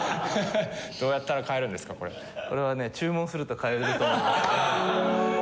これはね注文すると買えると思います。